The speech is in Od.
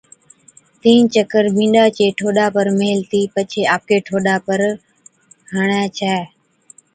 تين چڪر بِينڏا چي ٺوڏا پر ميلهتِي پڇي آپڪي ٺوڏا پر ھڻي ڇَي